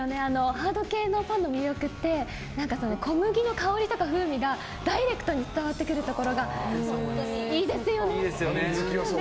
ハード系パンの魅力って小麦の香りとか風味がダイレクトに伝わってくるところが本当にいいですよね。